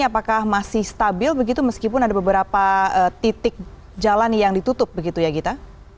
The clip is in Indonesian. apakah masih stabil begitu meskipun ada beberapa titik jalan yang ditutup begitu ya gita